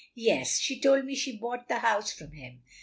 "Yes, she told me she bought the house from him.